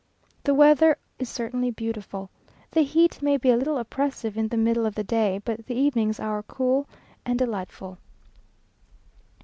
The weather is certainly beautiful. The heat may be a little oppressive in the middle of the day, but the evenings are cool and delightful.